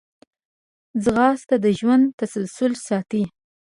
ځغاسته د ژوند تسلسل ساتي